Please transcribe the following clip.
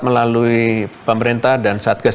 melalui pemerintah dan satgas